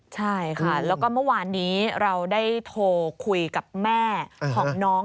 ใช่ค่ะแล้วก็เมื่อวานนี้เราได้โทรคุยกับแม่ของน้อง